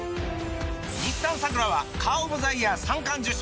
日産サクラはカーオブザイヤー三冠受賞！